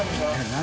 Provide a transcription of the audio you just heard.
何？